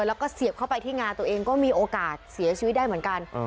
แล้วก็เสียบเข้าไปที่งาตัวเองก็มีโอกาสเสียชีวิตได้เหมือนกัน